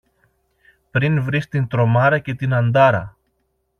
πριν βρεις την Τρομάρα και την Αντάρα.